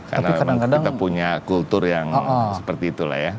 karena kita punya kultur yang seperti itulah ya